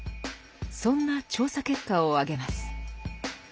そんな調査結果を挙げます。